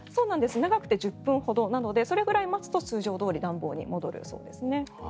長くても１０分ほどなのでそれぐらい待つと通常どおり暖房に戻るそうです。